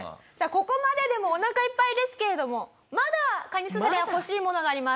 ここまででもおなかいっぱいですけれどもまだカニササレは欲しいものがあります。